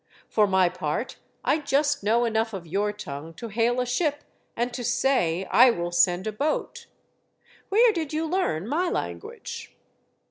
For my part, I just know enough of your tongue to hail a ship and to say, ' I will send a boat.' Where did you learn my language